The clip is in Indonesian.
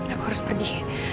aku harus pergi